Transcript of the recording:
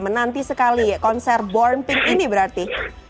menanti sekali konser born pink ini berarti